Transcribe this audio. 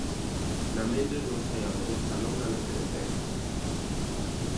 Namentres non saiamos desta longa noite de pedra.